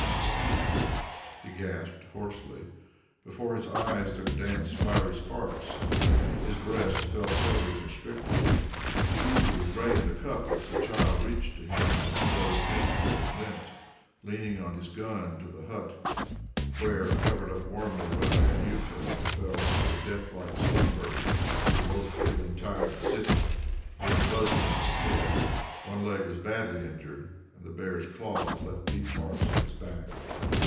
Water!" he gasped hoarsely. Before his eyes there danced fiery sparks: his breast felt terribly constricted. He eagerly drained the cup which the child reached to him; then he rose painfully and limped, leaning on his gun, to the hut, where, covered up warmly by Anjuta, he fell into a death like slumber. He awoke, feeling tired and sick. There was a buzzing in his head; one leg was badly injured, and the bear's claw had left deep marks on his back.